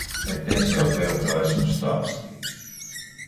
Bet es jau tev to esmu stāstījis?